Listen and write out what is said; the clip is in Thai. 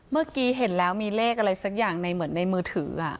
เมื่อกี้เห็นแล้วมีเลขอะไรสักอย่างในเหมือนในมือถือ